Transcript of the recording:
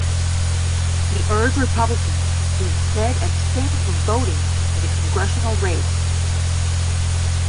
He urged Republicans to instead abstain from voting in the congressional race.